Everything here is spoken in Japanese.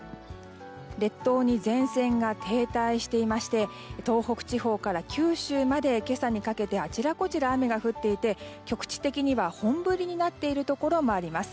列島に前線が停滞していまして東北地方から九州まで今朝にかけてあちらこちらで雨が降っていて局地的には本降りになっているところもあります。